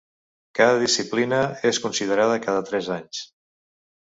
Cada disciplina és considerada cada tres anys.